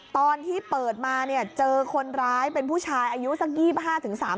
ตอนที่เปิดมาเนี่ยเจอคนร้ายเป็นผู้ชายอายุสัก๒๕๓ปี